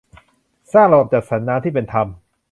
สร้างระบบจัดสรรน้ำที่เป็นธรรม